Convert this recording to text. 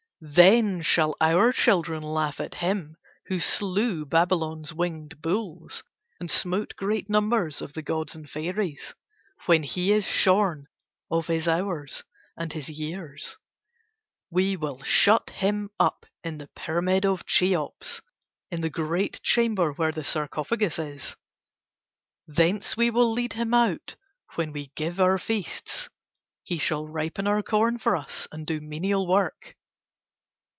Then shall our children laugh at him who slew Babylon's winged bulls, and smote great numbers of the gods and fairies when he is shorn of his hours and his years. We will shut him up in the Pyramid of Cheops, in the great chamber where the sarcophagus is. Thence we will lead him out when we give our feasts. He shall ripen our corn for us and do menial work.